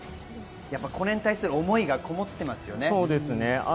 これに対する思いがこもっていますよね。